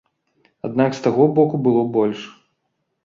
Аднак з таго боку было больш.